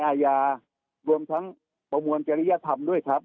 อาญาโดยทั้งประมวลจันทรียธรรม